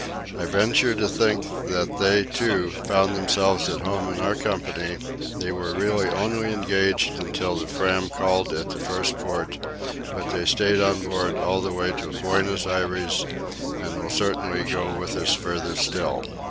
I venture to think that they, too, found themselves at home in our company; they were really only engaged until the Fram called at the first port, but they stayed on board all the way to Buenos Aires, and will certainly go with us farther still.